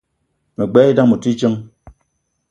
Me gbelé idam ote djeng